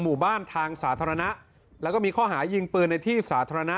หมู่บ้านทางสาธารณะแล้วก็มีข้อหายิงปืนในที่สาธารณะ